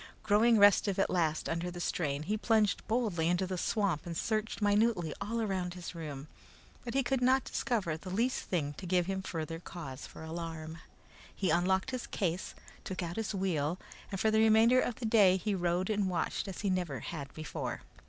Growing restive at last under the strain, he plunged boldly into the swamp and searched minutely all around his room, but he could not discover the least thing to give him further cause for alarm. He unlocked his case, took out his wheel, and for the remainder of the day he rode and watched as he never had before.